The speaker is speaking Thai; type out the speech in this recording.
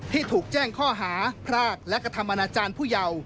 ที่ถูกแจ้งข้อหาพรากและกระทำอนาจารย์ผู้เยาว์